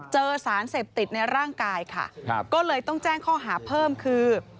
เจอสารเสพติดในร่างกายค่ะก็เลยต้องแจ้งข้อหาเพิ่มคือ